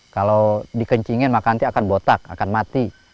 kalau dikencingin maka nanti akan botak akan mati